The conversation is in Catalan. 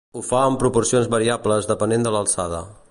Ho fa en proporcions variables depenent de l’alçada.